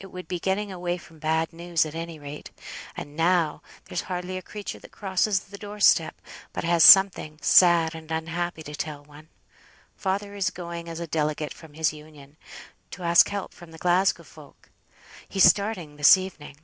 It would be getting away from bad news at any rate; and now, there's hardly a creature that crosses the door step, but has something sad and unhappy to tell one. Father is going as a delegate from his Union, to ask help from the Glasgow folk. He's starting this evening."